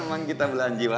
memang kita berlahan jiwa